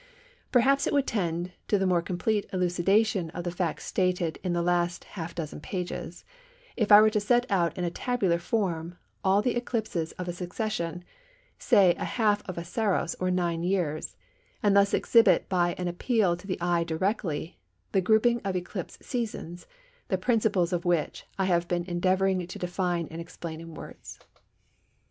Perhaps it would tend to the more complete elucidation of the facts stated in the last half dozen pages, if I were to set out in a tabular form all the eclipses of a succession, say of half a Saros or 9 years, and thus exhibit by an appeal to the eye directly the grouping of eclipse seasons the principles of which I have been endeavouring to define and explain in words.